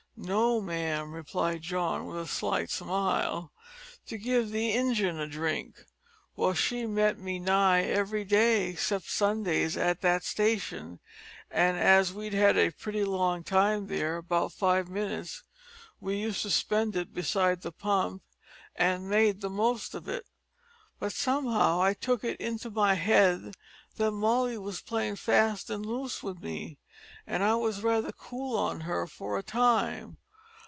"No, ma'am," replied John, with a slight smile, "to give the ingine a drink. Well, she met me nigh every day 'xcept Sundays at that station, and as we'd a pretty long time there about five minutes we used to spend it beside the pump, an' made the most of it. But somehow I took it into my head that Molly was playin' fast an' loose with me, an' I was raither cool on her for a time.